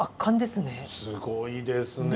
すごいですね。